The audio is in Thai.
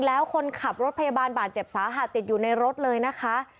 แล้วคนขับรถพยาบาลบาดเจ็บสาหัสติดอยู่ในรถเลยนะคะ